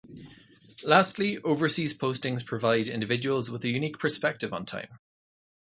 Lastly, overseas postings provide individuals with a unique perspective on time.